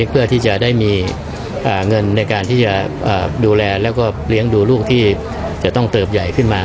เพื่อที่จะได้มีเงินในการที่จะดูแลแล้วก็เลี้ยงดูลูกที่จะต้องเติบใหญ่ขึ้นมา